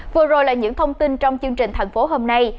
vừa rồi là những thông tin trong chương trình thành phố hôm nay